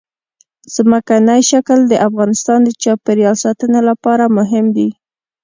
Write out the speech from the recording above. ځمکنی شکل د افغانستان د چاپیریال ساتنې لپاره مهم دي.